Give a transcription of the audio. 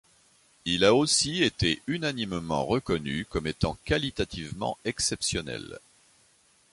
Il a aussi été unanimement reconnu comme étant qualitativement exceptionnel.